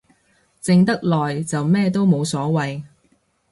靜得耐就咩都冇所謂